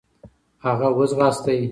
هغه و ځغاستی .